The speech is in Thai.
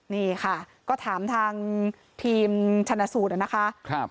นี่ค่ะก็ถามทางทีมชนะสูตรนะคะ